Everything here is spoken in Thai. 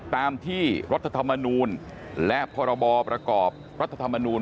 ตามที่รัฐธรรมนูลและพรบประกอบรัฐธรรมนูล